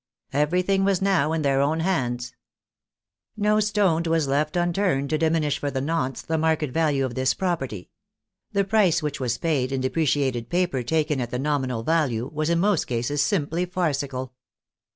Everything was now in their own hands. No stone was left unturned to diminish for the nonce the market value of this property. The price which was paid in depreciated paper taken at the nominal value was in most cases simply farcical.